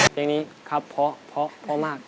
อย่างนี้ครับพอพอพอมาก